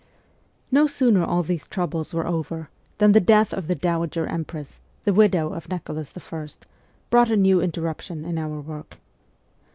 No sooner all these troubles were over, than the death of the Dowager Empress the widow of Nicholas I. brought a new interruption in our work.